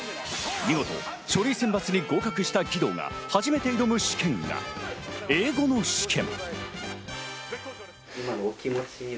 見事、書類選抜に合格した義堂が初めて挑む試験が英語の試験。